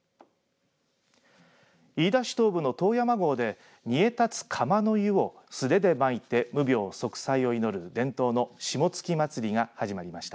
飯田市東部の遠山郷で煮え立つ釜の湯を手でまいて無病息災を祈る伝統の霜月祭りが始まりました。